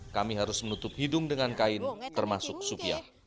kami harus menutup hidung dengan kain termasuk supiak